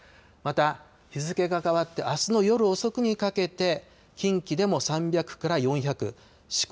また、日付が変わってあすの夜遅くにかけて近畿でも３００から４００